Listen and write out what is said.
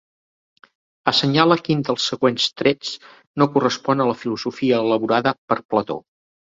Assenyale quin dels següents trets no correspon a la filosofia elaborada per Plató.